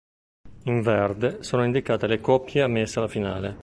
In "verde sono indicate le coppie ammesse alla finale.